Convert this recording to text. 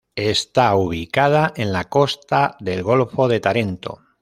Está ubicada en la costa del golfo de Tarento.